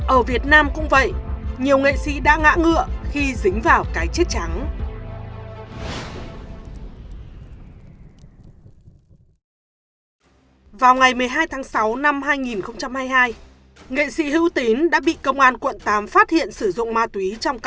ở việt nam cũng vậy nhiều nghệ sĩ đã ngã ngựa khi dính vào cái chết trắng